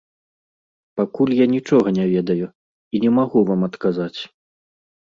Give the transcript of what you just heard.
Пакуль я нічога не ведаю і не магу вам адказаць.